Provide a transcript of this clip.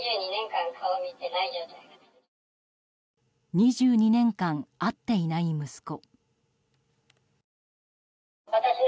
２２年間、会っていない息子。